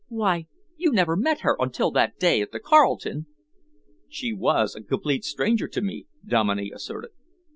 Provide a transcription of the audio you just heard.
Why, you never met her until that day at the Carlton!" "She was a complete stranger to me," Dominey asserted.